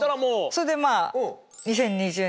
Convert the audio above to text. それでまぁ。